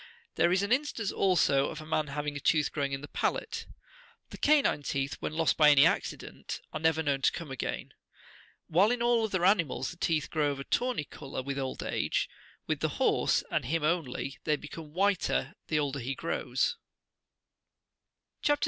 There is an instance, also, of a man having a tooth growing in the palate.39 The canine teeth,40 when lost by any accident, are never known to come again. "While in all other animals the teeth grow of a tawny colour with old age, with the horse, and him only, they become whiter the older he grows. CHAP. 64.